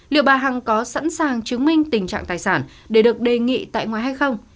liệu bà hằng có sẵn sàng chứng minh tình trạng tài sản để được đề nghị tại ngoài hay không